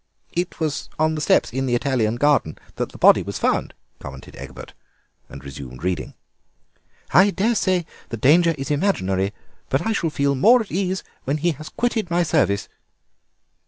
"It was on the steps in the Italian Garden that the body was found," commented Egbert, and resumed reading. "'I daresay the danger is imaginary; but I shall feel more at ease when he has quitted my service.